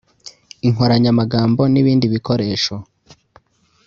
inkoranyamagambo n’ibindi bikoresho